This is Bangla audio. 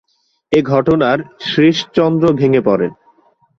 এই ঘটনার শ্রীশচন্দ্র ভেঙ্গে পড়েন।